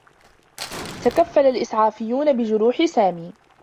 تكفّل الإسعافيّون بجروح سامي.